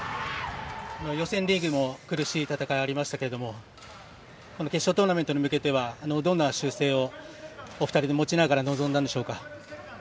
予選リーグも苦しい戦いありましたけどこの決勝トーナメントに向けてはどんな修正をお二人で持ちながら臨んだんでしょうか。